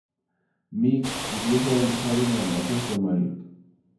Meg incluso ha empezado una relación con Mario.